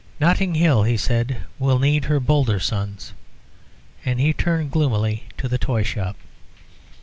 "Notting Hill," he said, "will need her bolder sons;" and he turned gloomily to the toy shop.